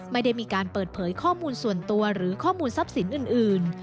ไม่ได้มีการเปิดเผยข้อมูลส่วนตัวหรือข้อมูลทรัพย์สินอื่น